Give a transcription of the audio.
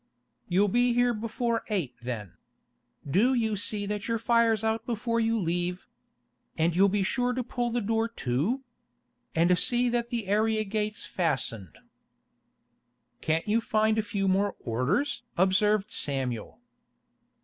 'You'll be here before eight then. Do see that your fire's out before you leave. And you'll be sure to pull the door to? And see that the area gate's fastened.' 'Can't you find a few more orders?' observed Samuel.